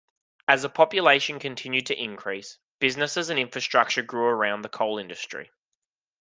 As the population continued to increase, businesses and infrastructure grew around the coal industry.